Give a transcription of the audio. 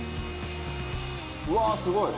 「うわー！すごい！